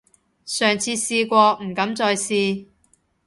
上次試過，唔敢再試